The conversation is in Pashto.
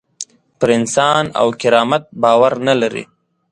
پر انسان او کرامت باور نه لري.